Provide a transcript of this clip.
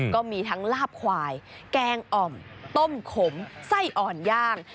ก็มีทั้งลาบควายแกงอ่อมต้มขมไส้อ่อนย่าง